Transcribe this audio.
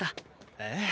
ええ？